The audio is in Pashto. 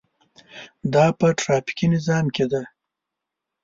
دا په ټرافیکي نظام کې ده.